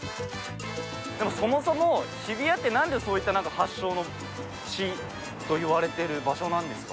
でもそもそも日比谷ってなんでそういった発祥の地といわれてる場所なんですか？